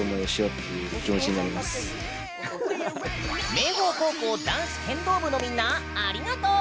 明豊高校男子剣道部のみんなありがとう！